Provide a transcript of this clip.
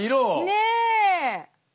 ねえ！